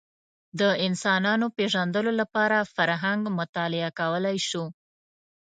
د انسانانو پېژندلو لپاره فرهنګ مطالعه کولی شو